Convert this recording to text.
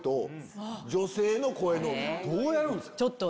どうやるんすか？